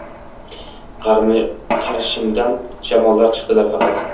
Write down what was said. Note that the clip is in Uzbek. Qarshimdan shamollar chiqdilar faqat.